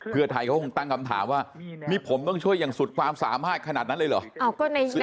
เพื่อไทยเขาคงตั้งคำถามว่านี่ผมต้องช่วยอย่างสุดความสามารถขนาดนั้นเลยเหรอ